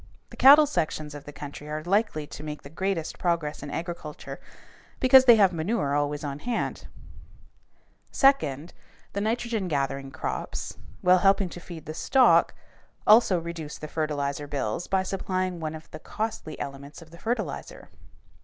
The cattle sections of the country are likely to make the greatest progress in agriculture, because they have manure always on hand. [Illustration: FIG. 188. MODERN COTTON BALES] Second, the nitrogen gathering crops, while helping to feed the stock, also reduce the fertilizer bills by supplying one of the costly elements of the fertilizer.